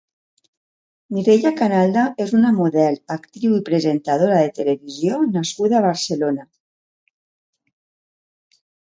Mireia Canalda és una model, actriu i presentadora de televisió nascuda a Barcelona.